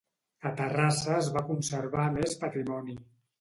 A Terrassa es va conservar més patrimoni